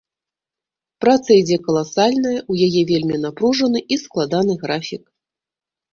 Праца ідзе каласальная, у яе вельмі напружаны і складаны графік.